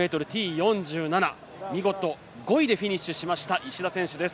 ４７見事５位でフィニッシュしました石田選手です。